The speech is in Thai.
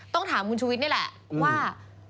ต้องถามคุณชุวิตนี่แหละว่า